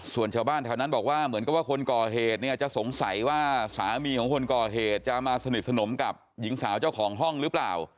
ส่วนชาวบ้านแถวนั้นบอกว่าเหมือนกับว่าคนก่อเหตุเนี่ยจะสงสัยว่าสามีของคนก่อเหตุจะมาสนิทสนมกับหญิงสาวเจ้าของห้องหรือเปล่า